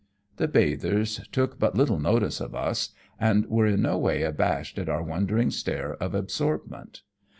The bathers took but little notice of us, and were in no way abashed at our wondering stare of absorbment.